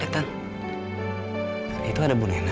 cepat pergi aku ambil tas sebentar ya